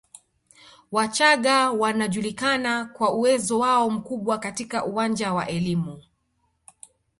Wachagga wanajulikana kwa uwezo wao mkubwa katika uwanja wa elimu